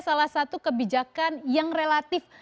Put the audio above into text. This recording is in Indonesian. salah satu kebijakan yang relatif